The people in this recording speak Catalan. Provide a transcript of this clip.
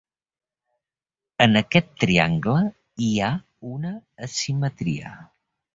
En aquest triangle hi ha una asimetria.